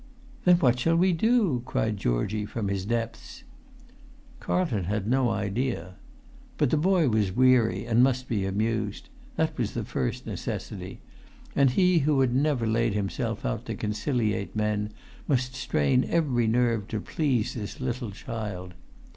"Then what shall we do?" cried Georgie, from his depths. Carlton had no idea. But the boy was weary, and must be amused; that was the first necessity; and he who had never laid himself out to conciliate men must strain every nerve to please this little child.